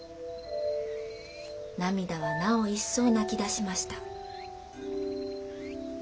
ナミダはなお一層泣きだしました。